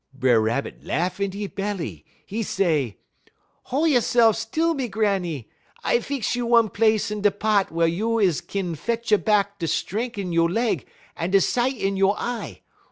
"B'er Rabbit laff in 'e belly; 'e say: "'Hol' you'se'f still, me Granny; I fix you one place in da pot wey you is kin fetch a back da strenk in you' leg en da sight in you' eye.